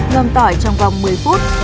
ngâm tỏi trong vòng một mươi phút